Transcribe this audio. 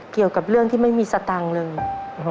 เกี่ยวกับเรื่องที่ไม่มีสตังค์เลย